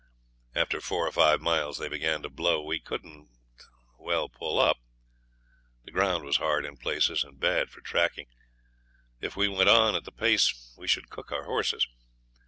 After four or five miles they began to blow. We couldn't well pull up; the ground was hard in places and bad for tracking. If we went on at the pace we should cook our horses.